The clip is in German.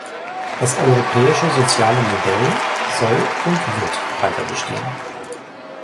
Das europäische soziale Modell soll und wird weiterbestehen.